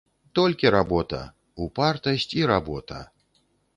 Толькі работа, упартасць і работа.